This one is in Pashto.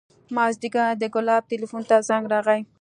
مازديګر د ګلاب ټېلفون ته زنګ راغى.